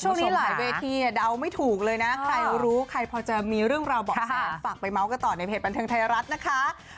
ช่วงนี้หลายเวทีเดาไม่ถูกเลยนะใครรู้ใครพอจะมีเรื่องราวบอกสารฝากไปเมาส์กันต่อในเพจบันเทิงไทยรัฐนะคะ